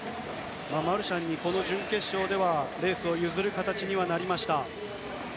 マルシャンに準決勝ではレースを譲る形になりました。